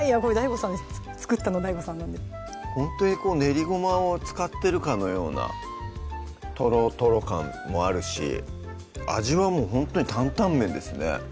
これ作ったのＤＡＩＧＯさんなんでほんとにこう練りごまを使ってるかのようなとろとろ感もあるし味はもうほんとに担々麺ですね